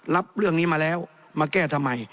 รับเรื่องนี้มาแล้วมาแก้ทำไม